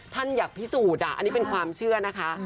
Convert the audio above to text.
อยากพิสูจน์อันนี้เป็นความเชื่อนะคะ